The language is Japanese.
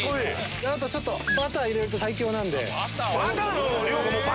あとちょっとバター入れると最強なんで。